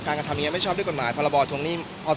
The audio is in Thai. การกระทำงานไม่ชอบด้วยกฎหมายพรทวงนี้พศ๒๕๕๘